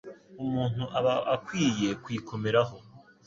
umuntu aba akwiye kuyikomeraho.